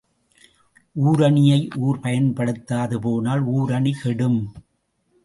ஊருணியை ஊர் பயன்படுத்தாது போனால் ஊருணி கெடும்.